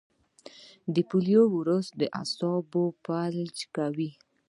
د پولیو وایرس د اعصابو فلج کوي.